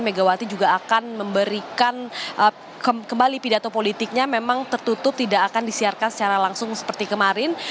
megawati juga akan memberikan kembali pidato politiknya memang tertutup tidak akan disiarkan secara langsung seperti kemarin